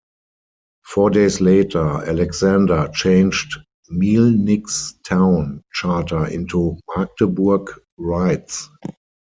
Four days later, Alexander changed Mielnik's town charter into Magdeburg rights.